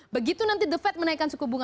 begitu nanti the fed menaikkan suku bunga